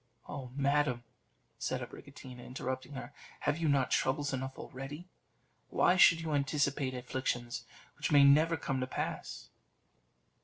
"Oh! madam," said Abricotina, interrupting her, "have you not troubles enough already? Why should you anticipate afflictions which may never come to pass?"